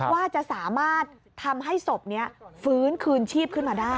ว่าจะสามารถทำให้ศพนี้ฟื้นคืนชีพขึ้นมาได้